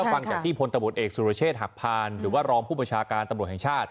ฟังจากที่พลตำรวจเอกสุรเชษฐ์หักพานหรือว่ารองผู้บัญชาการตำรวจแห่งชาติ